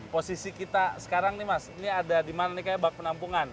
posisi kita sekarang nih mas ini ada di mana nih kayak bak penampungan